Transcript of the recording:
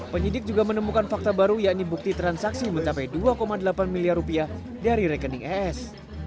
penyidik juga menemukan fakta baru yakni bukti transaksi mencapai dua delapan miliar rupiah dari rekening es